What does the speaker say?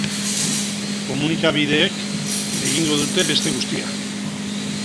Komunikabideek egingo dute beste guztia.